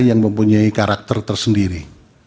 yang mempunyai karakter tersendiri